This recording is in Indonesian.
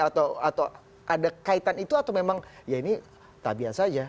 atau ada kaitan itu atau memang ya ini tabiat saja